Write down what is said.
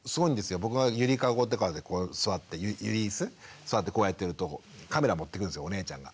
僕が揺りかごとかでこう座って揺りいす座ってこうやってるとカメラ持ってくるんですよお姉ちゃんが。